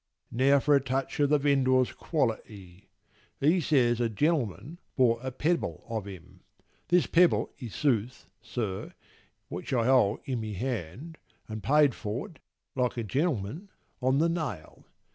Now for a touch o' the vendor's quality. He says a gen'lman bought a pebble of him, (This pebble i' sooth, sir, which I hold i' my hand)— And paid for't, like a gen'lman, on the nail.